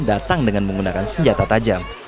datang dengan menggunakan senjata tajam